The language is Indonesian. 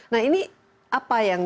nah ini apa yang